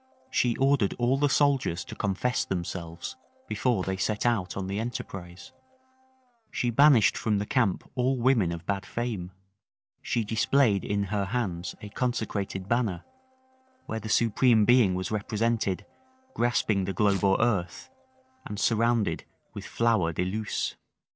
She ordered all the soldiers to confess themselves before they set out on the enterprise: she banished from the camp all women of bad fame: she displayed in her hands a consecrated banner, where the Supreme Being was represented, grasping the globe or earth, and surrounded with flower de luces.